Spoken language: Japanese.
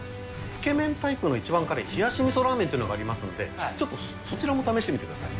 つけ麺タイプの一番辛い冷し味噌ラーメンというのがありますので、ちょっとそちらも試してみてください。